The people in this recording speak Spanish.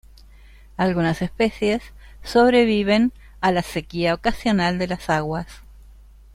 Algunas especies sobreviven a la sequía ocasional de las aguas.